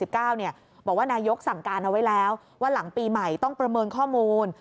บอกว่านายกสั่งการเอาไว้แล้วว่าหลังปีใหม่ต้องประเมินข้อมูล